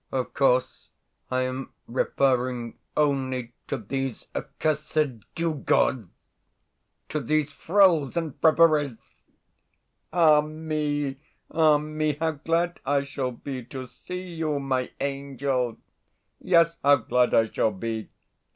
Of course, I am referring only to these accursed gewgaws, to these frills and fripperies! Ah me, ah me, how glad I shall be to see you, my angel! Yes, how glad I shall be!